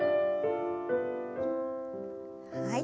はい。